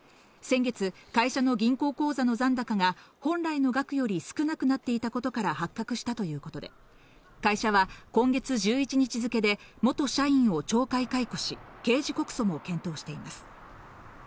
先月、会社の銀行口座の残高が本来の額より少なくなっていたことから発覚したということで会社は今月１１日付で元社員を懲戒解雇し、刑事告訴も検討しています。